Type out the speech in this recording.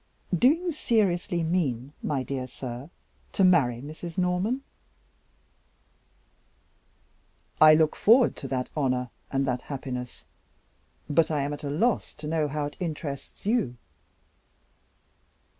Do you seriously mean, my dear sir, to marry Mrs. Norman?" "I look forward to that honor and that happiness. But I am at a loss to know how it interests you."